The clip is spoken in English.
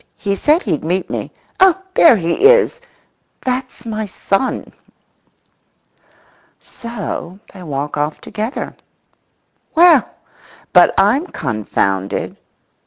He said he'd meet me.… Oh, there he is! That's my son."So they walk off together. Well, but I'm confounded.